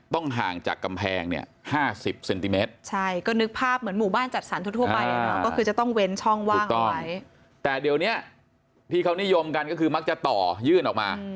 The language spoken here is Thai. แต่เดี๋ยวเนี่ยที่เขานิยมกันก็คือมักจะต่อยื่นออกมา